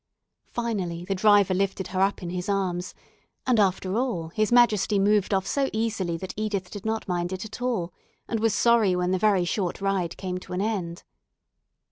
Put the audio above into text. Finally the driver lifted her up in his arms, and after all His Majesty moved off so easily that Edith did not mind it at all, and was sorry when the very short ride came to an end.